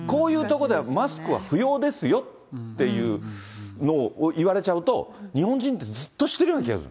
こういうとこではマスクは不要ですよっていうのを言われちゃうと、日本人ってずっとしてるような気がする。